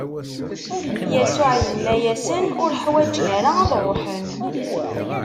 Yasuɛ inna-asen: Ur ḥwaǧen ara ad ṛuḥen.